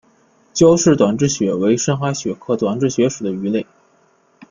焦氏短稚鳕为深海鳕科短稚鳕属的鱼类。